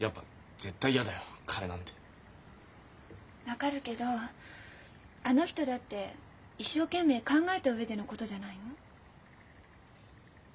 分かるけどあの人だって一生懸命考えた上でのことじゃないの？